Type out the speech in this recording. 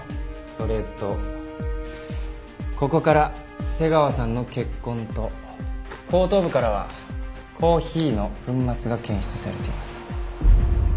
それとここから瀬川さんの血痕と後頭部からはコーヒーの粉末が検出されています。